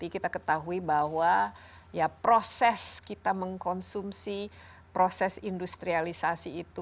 kita ketahui bahwa proses kita mengkonsumsi proses industrialisasi itu